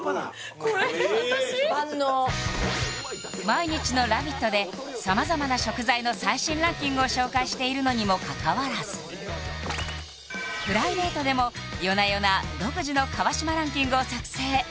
毎日の「ラヴィット！」で様々な食材の最新ランキングを紹介しているのにもかかわらずプライベートでも夜な夜な独自の川島ランキングを作成